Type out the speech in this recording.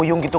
iya dia mau